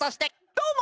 どうも。